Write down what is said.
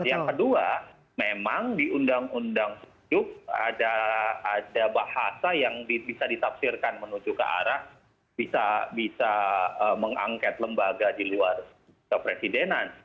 yang kedua memang di undang undang tujuh ada bahasa yang bisa ditafsirkan menuju ke arah bisa mengangket lembaga di luar kepresidenan